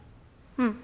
うん。